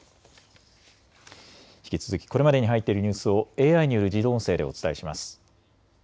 引き続きこれまでに入っているニュースをＡＩによる自動音声でお伝えします。